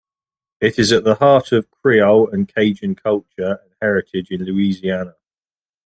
It is at the heart of Creole and Cajun culture and heritage in Louisiana.